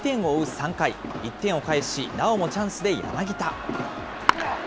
３回、１点を返しなおもチャンスで柳田。